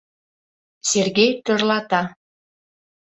— Сергей тӧрлата.